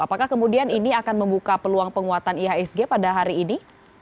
apakah kemudian ini akan membuka peluang penguatan ihsg pada hari ini